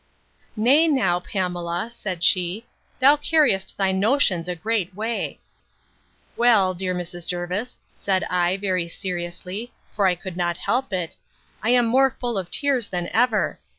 Nay, now, Pamela, said she, thou carriest thy notions a great way. Well, dear Mrs. Jervis, said I, very seriously, for I could not help it, I am more full of fears than ever.